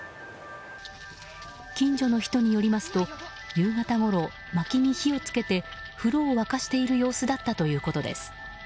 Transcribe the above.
近所の人によりますと夕方ごろ、まきに火を付けて風呂を沸かしている様子だったということです。